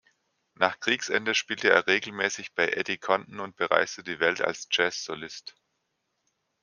Nach Kriegsende spielte er regelmäßig bei Eddie Condon und bereiste die Welt als Jazz-Solist.